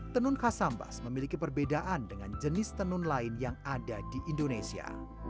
tenun khas sambas memiliki perbedaan dengan jenis tenun lain yang ada di indonesia